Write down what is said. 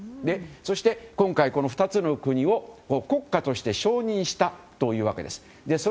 そして、今回この２つの国を国家として承認したというわけです。